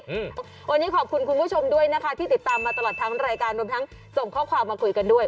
อืมวันนี้ขอบคุณคุณผู้ชมด้วยนะคะที่ติดตามมาตลอดทั้งรายการรวมทั้งส่งข้อความมาคุยกันด้วย